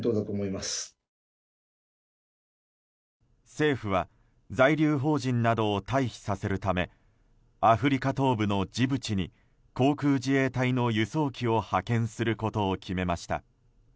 政府は在留邦人などを退避させるためアフリカ東部のジブチに航空自衛隊の輸送機を派遣することを決めました。